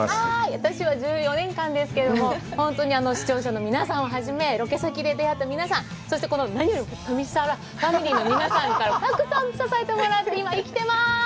私は１４年間ですけども、本当に視聴者の皆さんをはじめ、ロケ先で出会った皆さん、そして、何より旅サラダファミリーの皆さんからたくさん支えてもらって今生きてます！